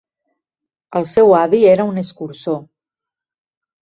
El seu avi era un escurçó.